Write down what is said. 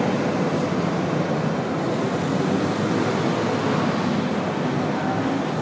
ขอบคุณครับ